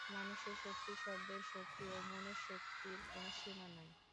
মানুষের শক্তি, শব্দের শক্তি ও মনের শক্তির কোন সীমা নাই।